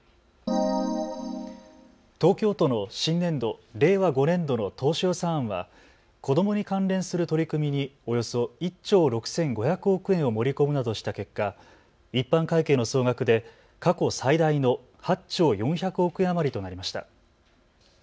東京都の新年度令和５年度の当初予算案は子どもに関連する取り組みにおよそ１兆６５００億円を盛り込むなどした結果、一般会計の総額で過去最大の８兆４００億円余りとなりました。